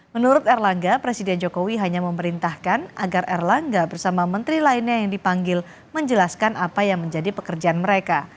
menurut erlangga presiden jokowi hanya memerintahkan agar erlangga bersama menteri lainnya yang dipanggil menjelaskan apa yang menjadi pekerjaan mereka